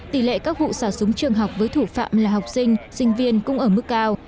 tỷ lệ các vụ xả súng trường học với thủ phạm là học sinh sinh viên cũng ở mức cao